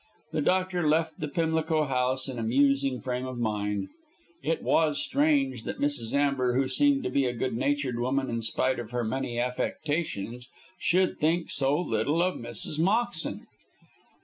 The doctor left the Pimlico house in a musing frame of mind. It was strange that Mrs. Amber, who seemed to be a good natured woman in spite of her many affectations, should think so little of Mrs. Moxton.